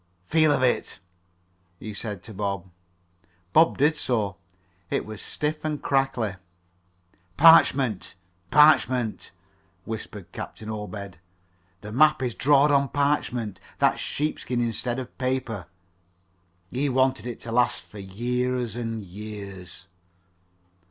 "Feel of it," he said to Bob. Bob did so. It was stiff and crackly. "Parchment parchment," whispered Captain Obed. "The map is drawed on parchment that's sheepskin instead of paper. He wanted it to last for years and years."